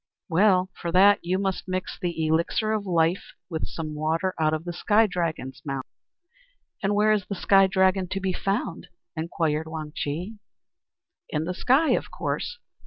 "Ah, well! For that you must mix the elixir of life with some water out of the Sky Dragon's mouth." "And where is the Sky Dragon to be found?" inquired Wang Chih. "In the sky, of course.